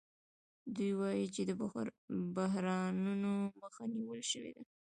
دوی وايي چې د بحرانونو مخه نیول شوې ده